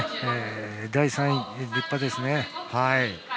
第３位、立派ですね。